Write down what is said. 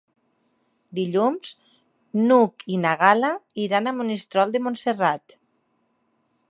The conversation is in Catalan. Dilluns n'Hug i na Gal·la iran a Monistrol de Montserrat.